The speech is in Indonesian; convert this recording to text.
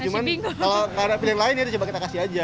cuman kalau nggak ada pilihan lain ya coba kita kasih aja